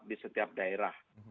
di setiap daerah